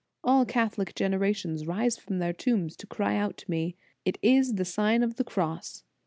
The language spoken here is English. All Catholic generations rise from their tombs to cry out to me : "It is the Sign of the Cross.